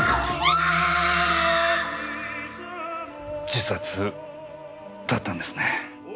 自殺だったんですね。